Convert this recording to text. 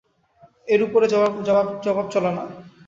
এর উপর জবার চলে না।